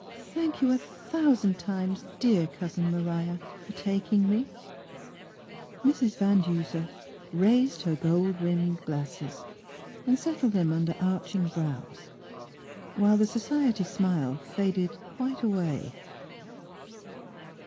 Thank you a thou sand times, dear Cousin Maria, for taking me." 27 The Transfiguration of Mrs. Van Deuser raised her gold rimmed glasses and set tled them under arching brows, while the society smile faded quite away.